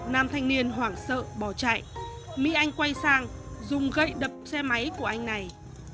nam thanh niên hoảng sợ bỏ chạy mỹ anh quay sang dùng gậy đập xe máy của anh này